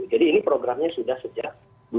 jadi ini programnya sudah sejak dua ribu tujuh